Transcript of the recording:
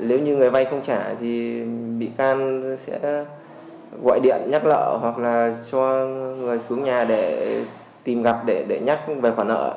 nếu như người vay không trả thì bị can sẽ gọi điện nhắc nợ hoặc là cho người xuống nhà để tìm gặp để nhắc về khoản nợ